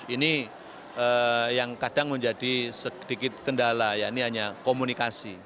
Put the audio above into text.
ini yang kadang menjadi sedikit kendala ya ini hanya komunikasi